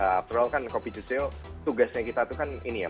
after all kan kopi juseo tugasnya kita itu kan ini ya